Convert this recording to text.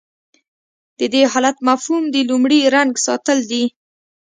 د دې حالت مفهوم د لومړي رنګ ساتل دي.